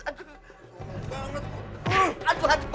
aduh bang aduh aduh aduh